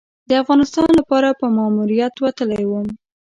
د افغانستان لپاره په ماموریت وتلی وم.